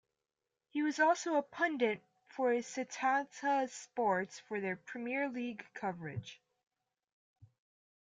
He was also a pundit for Setanta Sports for their Premier League coverage.